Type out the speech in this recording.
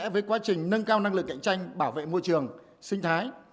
với quá trình nâng cao năng lực cạnh tranh bảo vệ môi trường sinh thái